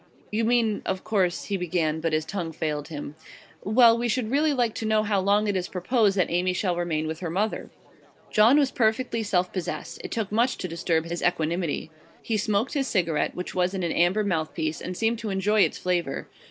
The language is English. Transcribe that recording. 'You mean, of course ' he began; but his tongue failed him. 'Well, we should really like to know how long it is proposed that Amy shall remain with her mother.' John was perfectly self possessed; it took much to disturb his equanimity. He smoked his cigarette, which was in an amber mouthpiece, and seemed to enjoy its flavour.